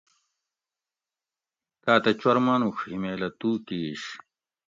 تاۤتہ چور مانوڛ ہیمیل اۤ تُو کِیش